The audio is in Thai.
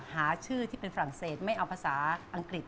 หาชื่อที่เป็นฝรั่งเศสไม่เอาภาษาอังกฤษ